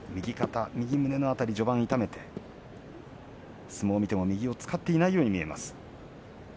右胸の辺り、序盤痛めて相撲を見ても右を使っていないように見えます。